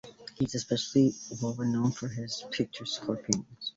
He is especially well known for his picturesque paintings.